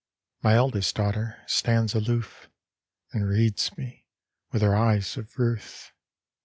My eldest daughter stands aloof, And reads me with her eyes of ruth.